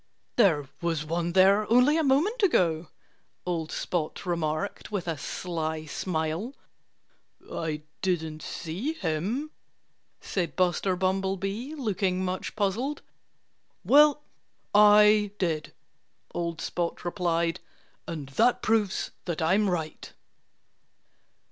"There was one there only a moment ago," old Spot remarked with a sly smile. "I didn't see him," said Buster Bumblebee, looking much puzzled. "Well, I did," old Spot replied. "And that proves that I'm right."